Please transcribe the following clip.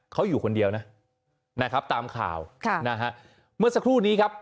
เขาอยู่คนเดียวนะนะครับตามข่าวค่ะนะฮะเมื่อสักครู่นี้ครับ